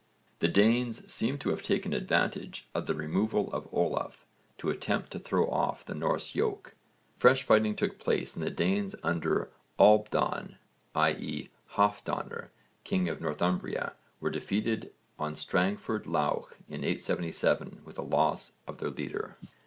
The Danes seem to have taken advantage of the removal of Olaf to attempt to throw off the Norse yoke. Fresh fighting took place and the Danes under Albdann, i.e. Halfdanr, king of Northumbria, were defeated on Strangford Lough in 877 with the loss of their leader.